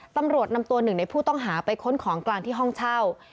ตำรวจนำตัวหนึ่งในผู้ต้องหาไปค้นของกลางที่ห้องเช่า